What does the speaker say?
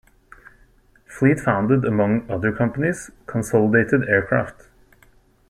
Fleet founded, among other companies, Consolidated Aircraft.